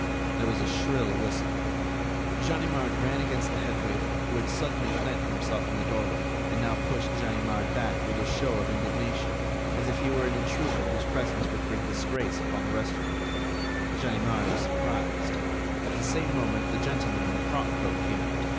There was a shrill whistle. Ganimard ran against the head waiter, who had suddenly planted himself in the doorway and now pushed Ganimard back with a show of indignation, as if he were an intruder whose presence would bring disgrace upon the restaurant. Ganimard was surprised. At the same moment the gentleman in the frock coat came out.